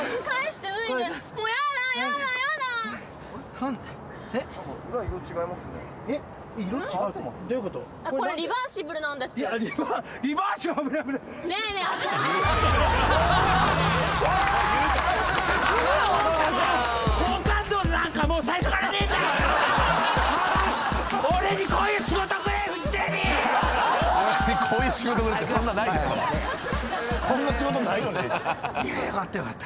フォー！よかったよかった。